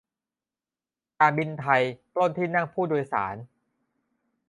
การบินไทย ปล้นที่นั่งผู้โดยสาร